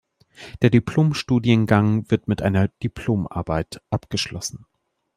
Der Diplom-Studiengang wird mit einer Diplomarbeit abgeschlossen.